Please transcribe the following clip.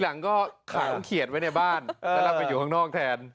ที่หลังก็ขาของเขียนไว้ในบ้านและนำไปอยู่กลางแล้วแทน